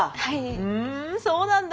ふんそうなんだ。